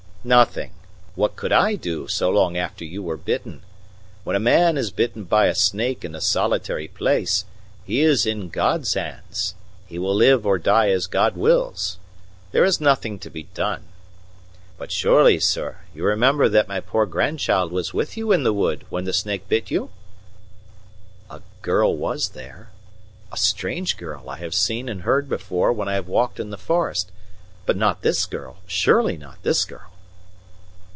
"Nothing. What could I do so long after you were bitten? When a man is bitten by a snake in a solitary place he is in God's hands. He will live or die as God wills. There is nothing to be done. But surely, sir, you remember that my poor grandchild was with you in the wood when the snake bit you?" "A girl was there a strange girl I have seen and heard before when I have walked in the forest. But not this girl surely not this girl!"